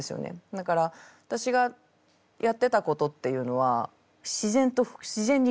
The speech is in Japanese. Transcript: だから私がやってたことっていうのは自然にふれに行くっていう。